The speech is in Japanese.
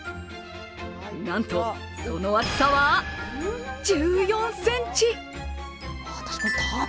なんとその厚さは１４ｃｍ。